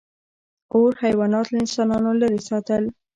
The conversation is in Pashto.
• اور حیوانات له انسانانو لرې ساتل.